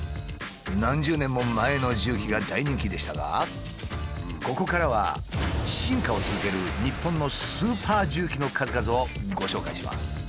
何十年も前の重機が大人気でしたがここからは進化を続けるの数々をご紹介します。